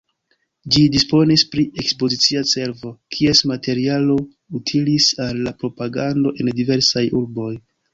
Ĝi disponis pri Ekspozicia Servo, kies materialo utilis al la propagando en diversaj urboj.